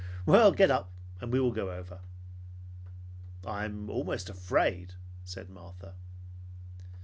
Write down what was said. "Well, get up, and we will go over." "I am almost afraid," said Martha.